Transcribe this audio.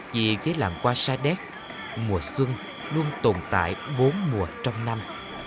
vì cái làm qua sa đét mùa xuân luôn tồn tại bốn mùa trong năm